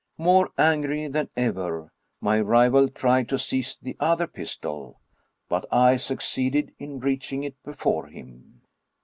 More angry than ever, my rival tried to seiie the other pistol, but I succeeded in reaching it before him.